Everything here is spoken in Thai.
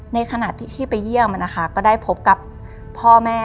ในขณะที่ไปเยี่ยมนะคะก็ได้พบกับพ่อแม่